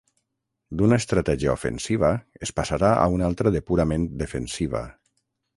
D'una estratègia ofensiva es passarà a una altra de purament defensiva.